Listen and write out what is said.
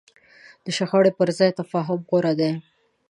د شخړې پر ځای تفاهم غوره دی.